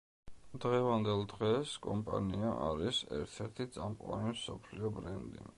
დღევანდელ დღეს კომპანია არის ერთ–ერთი წამყვანი მსოფლიო ბრენდი.